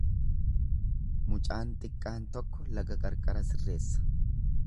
Mucaan xiqqaan tokko laga qarqara sirreessa.